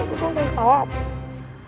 lo cuma pengen ketawa apa sih